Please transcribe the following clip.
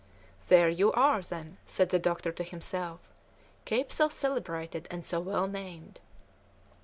"There you are, then," said the doctor to himself, "cape so celebrated and so well named!